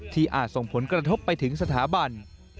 อาจส่งผลกระทบไปถึงสถาบัน